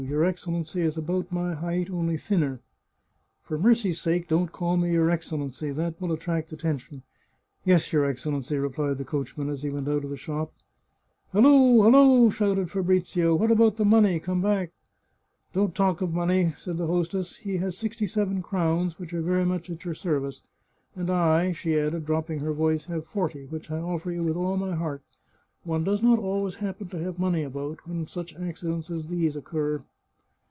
Your Excellency is about my height, only thinner." " For mercy's sake, don't call me your Excellency ! That will attract attention." " Yes, your Excellency," replied the coachman, as he went out of the shop. " Halloo ! halloo !" shouted Fabrizio. " What about the money ? Come back !"" Don't talk of money," said the hostess. " He has sixty seven crowns, which are very much at your service, and I," she added, dropping her voice, " have forty, which I offer you with all my heart. One does not always happen to have money about one when such accidents as these occur."